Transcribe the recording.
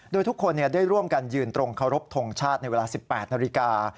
โดยทุกคนได้ร่วมกันยืนตรงเคารพทงชาติในเวลา๑๘นาฬิกา